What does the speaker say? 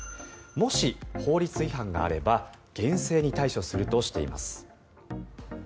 もし法律違反があれば厳正に対処するとしています。